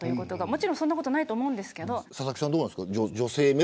もちろんそんなことないと思いますが。